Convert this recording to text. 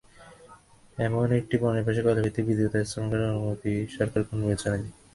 এমন একটি বনের পাশে কয়লাভিত্তিক বিদ্যুৎকেন্দ্র স্থাপনের অনুমতি সরকার কোন বিবেচনায় দেয়?